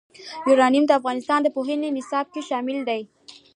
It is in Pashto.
یورانیم د افغانستان د پوهنې نصاب کې شامل دي.